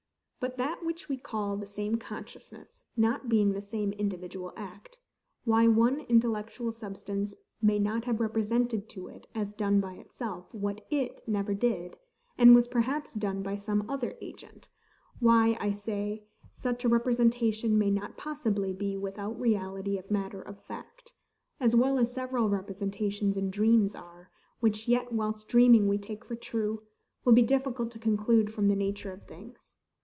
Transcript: But that which we call the same consciousness, not being the same individual act, why one intellectual substance may not have represented to it, as done by itself, what IT never did, and was perhaps done by some other agent—why, I say, such a representation may not possibly be without reality of matter of fact, as well as several representations in dreams are, which yet whilst dreaming we take for true—will be difficult to conclude from the nature of things.